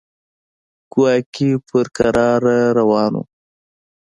کواګې په کراره روان و.